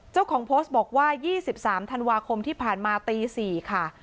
เจ้าของโพสต์บอกว่า๒๓ธันวาคมที่ผ่านมาตี๔ค่ะ